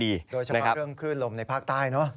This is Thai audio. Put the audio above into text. โดยเฉพาะเรื่องคลื่นลมในภาคใต้เนอะ